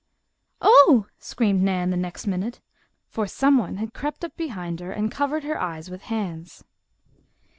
"Oh!" screamed Nan the next minute, for someone had crept up behind her and covered her eyes with hands.